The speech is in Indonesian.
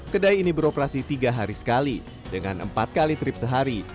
kedai ini beroperasi tiga hari sekali dengan empat kali trip sehari